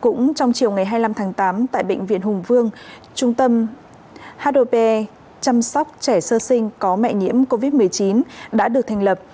cũng trong chiều ngày hai mươi năm tháng tám tại bệnh viện hùng vương trung tâm hp chăm sóc trẻ sơ sinh có mẹ nhiễm covid một mươi chín đã được thành lập